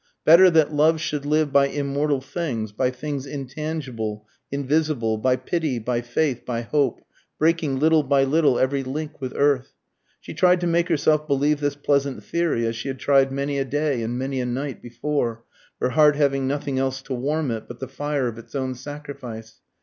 Better that love should live by immortal things, by things intangible, invisible, by pity, by faith, by hope, breaking little by little every link with earth. She tried to make herself believe this pleasant theory, as she had tried many a day and many a night before, her heart having nothing else to warm it but the fire of its own sacrifice.